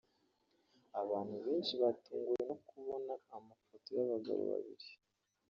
Abantu benshi batunguwe no kubona amafoto y’abagabo babiri